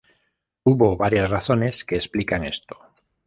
Hubo varias razones que explican esto.